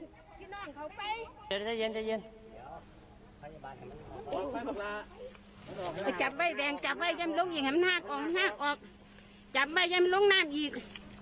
จับไว้แบงจับไว้ยังลุกอีก๕กอง๕ออกจับไว้ยังลุกน้ำอีก